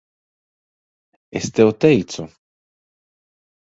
Es tev teicu.